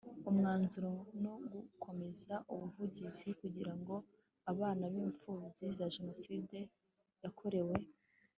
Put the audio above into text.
Umwanzuro No Gukomeza ubuvugizi kugira ngo abana b impfubyi za Jenoside yakorewe